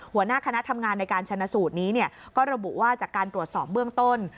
หัวหน้าคณะทำงานในการชนะสูตรนี้ก็ระบุว่าจากการตรวจสอบเบื้องต้น